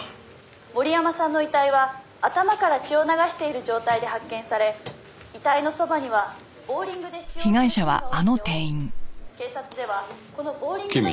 「森山さんの遺体は頭から血を流している状態で発見され遺体のそばにはボウリングで使用するピンが落ちており警察ではこのボウリングのピンで」